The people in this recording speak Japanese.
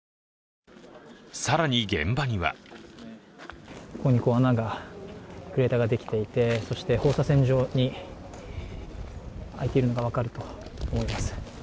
更に現場にはここに穴が、クレーターができていてそして放射線状に開いているのが分かると思います。